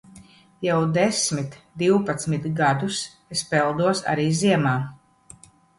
Jau desmit divpadsmit gadus es peldos arī ziemā.